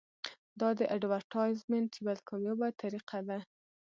دا د اډورټایزمنټ یوه کامیابه طریقه ده.